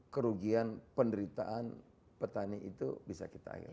kerugian penderitaan petani itu bisa kita akhiri